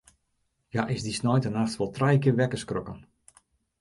Hja is dy sneintenachts wol trije kear wekker skrokken.